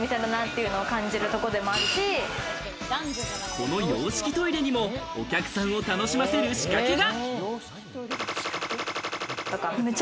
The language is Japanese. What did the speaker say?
この洋式トイレにもお客さんを楽しませる仕掛けが。